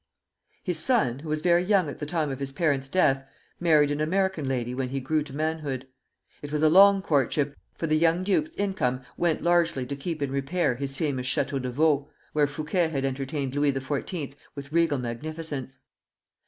His son, who was very young at the time of his parents' death, married an American lady when he grew to manhood. It was a long courtship, for the young duke's income went largely to keep in repair his famous Château de Vaux, where Fouquet had entertained Louis XIV. with regal magnificence.